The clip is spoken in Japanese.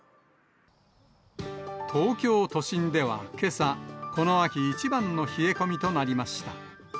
東京都心ではけさ、この秋一番の冷え込みとなりました。